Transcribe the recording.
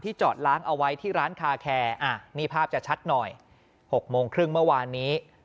จอดล้างเอาไว้ที่ร้านคาแคร์นี่ภาพจะชัดหน่อย๖โมงครึ่งเมื่อวานนี้